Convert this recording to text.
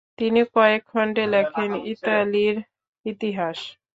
তিনি কয়েক খণ্ডে লেখেন ইতালির ইতিহাস।